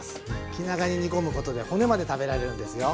気長に煮込むことで骨まで食べられるんですよ。